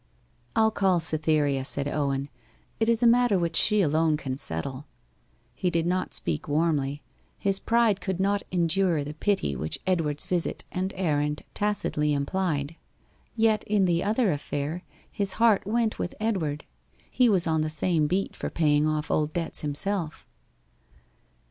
'I'll call Cytherea,' said Owen. 'It is a matter which she alone can settle.' He did not speak warmly. His pride could not endure the pity which Edward's visit and errand tacitly implied. Yet, in the other affair, his heart went with Edward; he was on the same beat for paying off old debts himself.